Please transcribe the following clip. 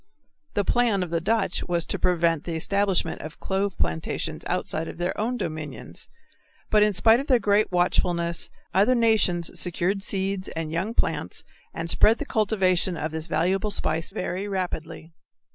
The plan of the Dutch was to prevent the establishment of clove plantations outside of their own dominions, but in spite of their great watchfulness other nations secured seeds and young plants and spread the cultivation of this valuable spice very rapidly.